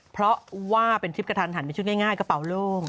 เพราะว่าเป็นทริปกระทันหันเป็นชุดง่ายกระเป๋าโล่ง